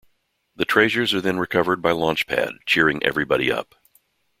The treasures are then recovered by Launchpad, cheering everybody up.